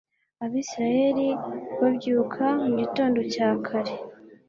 abayisraheli babyuka mu gitondo cya kare